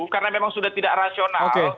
karena memang sudah tidak rasional